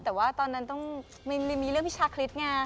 แต่ว่าตอนนั้นต้องมีเรื่องพิชาคริสต์ไง